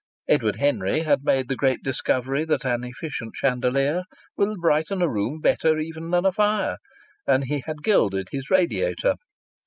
Edward Henry had made the great discovery that an efficient chandelier will brighten a room better even than a fire, and he had gilded his radiator.